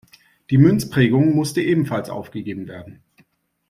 Die Münzprägung musste ebenfalls aufgegeben werden.